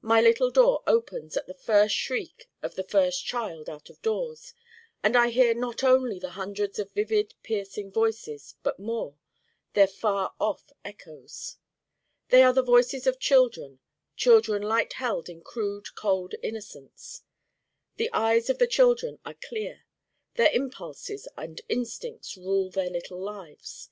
My little door opens at the first shriek of the first child out of doors, and I hear not only the hundreds of vivid piercing Voices but more their far off echoes. They are the Voices of children, children light held in crude cold innocence. The eyes of the children are clear their impulses and instincts rule their little lives.